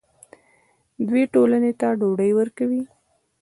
دوی ټولنې ته ډوډۍ ورکوي.